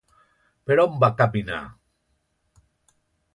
Per on va caminar?